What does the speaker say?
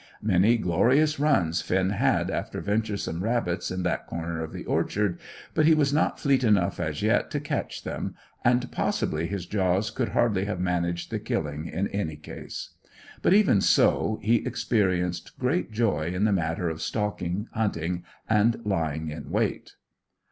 Many glorious runs Finn had after venturesome rabbits in that corner of the orchard, but he was not fleet enough as yet to catch them, and possibly his jaws could hardly have managed the killing in any case. But even so, he experienced great joy in the matter of stalking, hunting, and lying in wait.